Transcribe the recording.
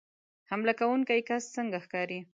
حمله کوونکی کس څنګه ښکاري